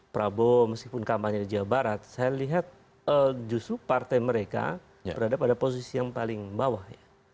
prabowo meskipun kampanye di jawa barat saya lihat justru partai mereka berada pada posisi yang paling bawah ya